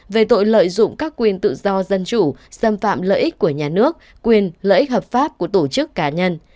về tội lợi dụng các quyền tự do dân chủ xâm phạm lợi ích của nhà nước quyền lợi ích hợp pháp của tổ chức cá nhân